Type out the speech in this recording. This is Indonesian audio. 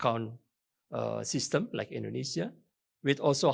dengan sistem akun kewangan terbuka seperti indonesia